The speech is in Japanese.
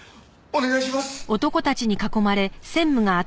お願いします！